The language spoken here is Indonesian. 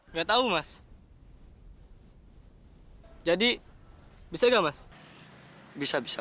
nggak tahu mas jadi bisa nggak mas bisa bisa